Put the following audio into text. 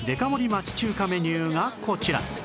町中華メニューがこちら